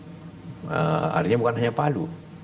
ternyata bukan hanya palu